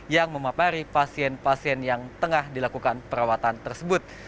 yang memapari pasien pasien yang tengah dilakukan perawatan tersebut